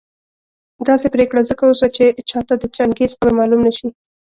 داسي پرېکړه ځکه وسوه چي چاته د چنګېز قبر معلوم نه شي